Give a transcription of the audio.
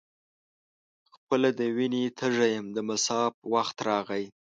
خپله د وینې تږی یم د مصاف وخت راغی.